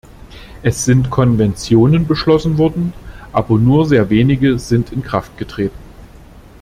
Es sind Konventionen beschlossen worden, aber nur sehr wenige sind in Kraft getreten.